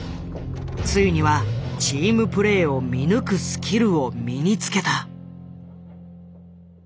ついにはチームプレイを見抜くスキルを身につけた。